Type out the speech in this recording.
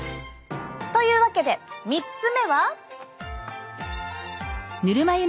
というわけで３つ目は。